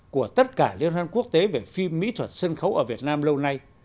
của tất cả liên hoan quốc tế về phim mỹ thuật sân khấu ở việt nam lâu nay